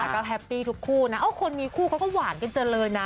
ก็แฮปปี้ทุกคู่นะคนมีคู่เขาก็หวานกันเจอเลยนะ